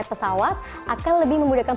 pesawat akan lebih memudahkan